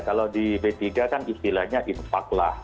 kalau di b tiga kan istilahnya infak lah